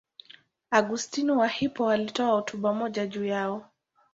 Augustino wa Hippo alitoa hotuba moja juu yao.